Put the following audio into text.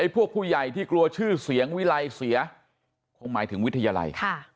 พวกผู้ใหญ่ที่กลัวชื่อเสียงวิไลเสียคงหมายถึงวิทยาลัย